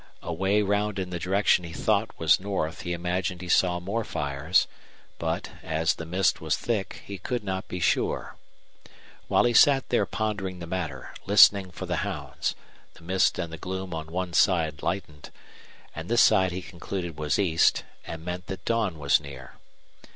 Away round in the direction he thought was north he imagined he saw more fires, but, as the mist was thick, he could not be sure. While he sat there pondering the matter, listening for the hounds, the mist and the gloom on one side lightened; and this side he concluded was east and meant that dawn was near.